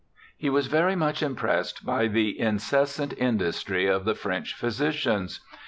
He was ver}^ much impressed by the incessant in dustry of the French phj^sicians.